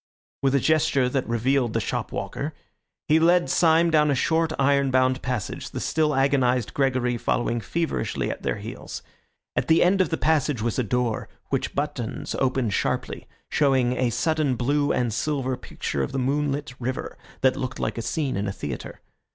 With a gesture that revealed the shop walker, he led Syme down a short, iron bound passage, the still agonised Gregory following feverishly at their heels. At the end of the passage was a door, which Buttons opened sharply, showing a sudden blue and silver picture of the moonlit river, that looked like a scene in a theatre.